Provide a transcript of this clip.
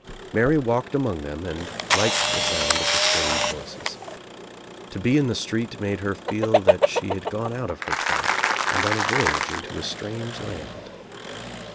Mary walked among them and liked the sound of the strange voices. To be in the street made her feel that she had gone out of her town and on a voyage into a strange land.